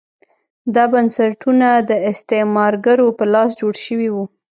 دا بنسټونه د استعمارګرو په لاس جوړ شوي وو.